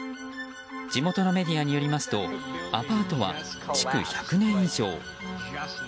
地元のメディアによりますとアパートは築１００年以上。